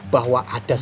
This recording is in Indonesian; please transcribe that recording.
bahwa ada sial